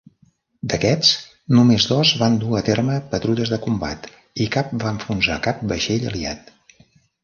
D'aquests, només dos van dur a terme patrulles de combat i cap va enfonsar cap vaixell aliat.